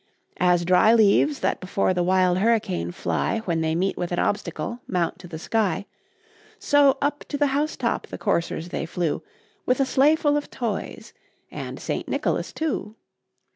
As dry leaves that before the wild hurricane fly, When they meet with an obstacle, mount to the sky, So, up to the house top the coursers they flew, With a sleigh full of toys and St. Nicholas too.